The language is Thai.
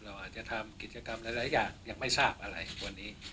เราอาจจะทำกิจกรรมหลายอย่างยังไม่ทราบอะไรวันนี้